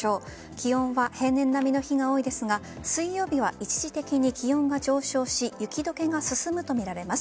気温は平年並みの日が多いですが水曜日は一時的に気温が上昇し雪解けが進むとみられます。